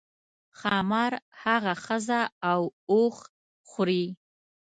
ښامار هغه ښځه او اوښ خوري.